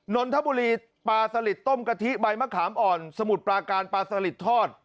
นนทบุรีปลาสลิดต้มกะทิใบมะขามอ่อนสมุทรปลาการปลาสลิดทอด